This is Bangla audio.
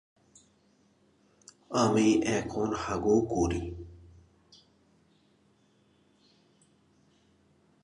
এগুলো প্রায়শই ব্যক্তিগত গৃহ থেকে ভিন্নতর হয়ে থাকে।